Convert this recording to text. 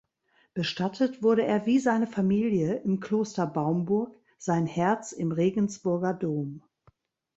Bestattet wurde er wie seine Familie im Kloster Baumburg, sein Herz im Regensburger Dom.